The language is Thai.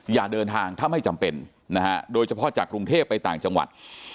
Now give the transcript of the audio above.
อย่าเดินทางถ้าไม่จำเป็นนะฮะโดยเฉพาะจากกรุงเทพไปต่างจังหวัด